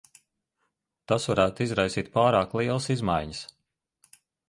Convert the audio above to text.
Tas varētu izraisīt pārāk lielas izmaiņas.